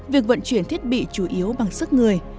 việc vận chuyển thiết bị chủ yếu bằng sức người